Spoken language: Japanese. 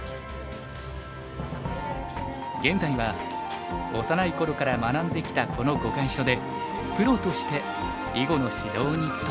現在は幼い頃から学んできたこの碁会所でプロとして囲碁の指導につとめています。